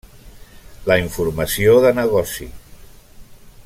La informació de negoci.